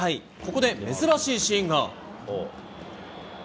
ここで珍しいシーンが。